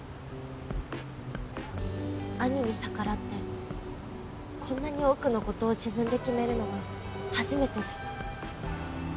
兄に逆らってこんなに多くの事を自分で決めるのが初めてで。